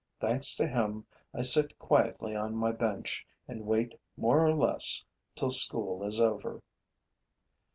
Thanks to him, I sit quietly on my bench and wait more or less till school is over.